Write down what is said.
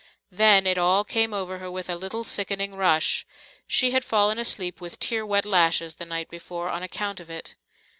Then it all came over her with a little sickening rush; she had fallen asleep with tear wet lashes the night before on account of it.